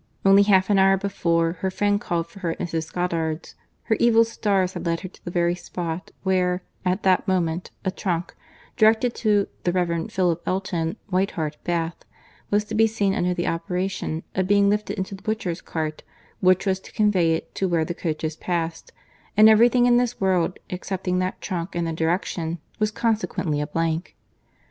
Only half an hour before her friend called for her at Mrs. Goddard's, her evil stars had led her to the very spot where, at that moment, a trunk, directed to The Rev. Philip Elton, White Hart, Bath, was to be seen under the operation of being lifted into the butcher's cart, which was to convey it to where the coaches past; and every thing in this world, excepting that trunk and the direction, was consequently a blank.